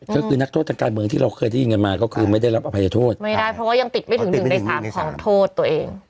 ก็คือนักโทษทางการเมืองที่เราเคยได้ยินกันมาก็คือไม่ได้รับอภัยโทษไม่ได้เพราะว่ายังติดไม่ถึงหนึ่งในสามของโทษตัวเอง